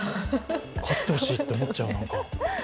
勝ってほしいって思っちゃう。